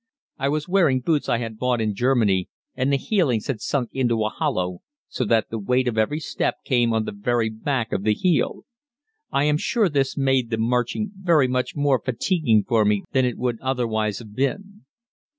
I was wearing boots I had bought in Germany and the heelings had sunk into a hollow, so that the weight of every step came on the very back of the heel. I am sure this made the marching very much more fatiguing for me than it would otherwise have been.